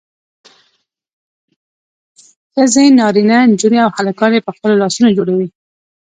ښځې نارینه نجونې او هلکان یې په خپلو لاسونو جوړوي.